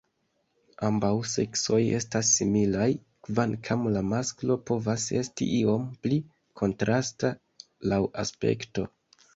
Ambaŭ seksoj estas similaj, kvankam la masklo povas esti iom pli kontrasta laŭ aspekto.